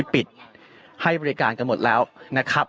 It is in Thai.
ปิดให้บริการกันหมดแล้วนะครับ